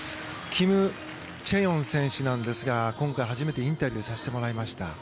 キム・チェヨン選手なんですが今回初めてインタビューさせてもらいました。